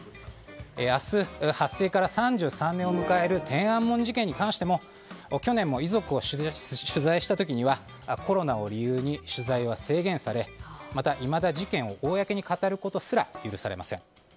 明日、発生から３３年を迎える天安門事件に関しても去年も遺族を取材した時にはコロナを理由に取材は制限されまた、いまだ事件を公に語ることすら許されません。